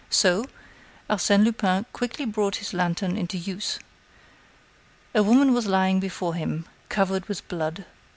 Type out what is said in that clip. So, Arsène Lupin quickly brought his lantern into use. A woman was lying before him, covered with blood.